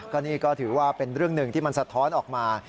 ก็นี่ก็ถือว่าเป็นเรื่องหนึ่งที่มันสะท้อนออกมา